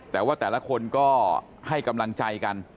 แต่ว่าแต่ละคนก็ให้กำลังใจกัน